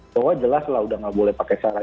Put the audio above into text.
soalnya jelas lah udah nggak boleh pakai salah